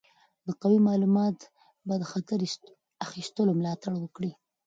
او قوي معلومات به د خطر اخیستلو ملاتړ وکړي.